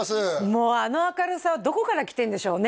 もうあの明るさはどこから来てるんでしょうね